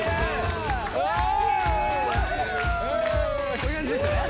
こういう感じですね。